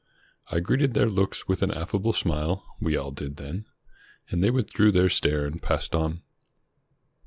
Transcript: I greeted their looks with an aflfable smile, — we all did then, — and they withdrew their stare and passed on.